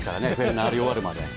鳴り終わるまで。